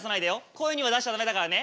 声には出しちゃ駄目だからね。